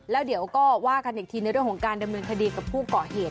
แล้วเดี๋ยวก็ว่ากันอีกทีในเรื่องของการดำเนินคดีกับผู้ก่อเหตุ